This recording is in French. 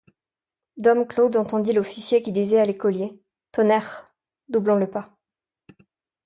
Dom Claude entendit l’officier qui disait à l’écolier: — Tonnerre! doublons le pas.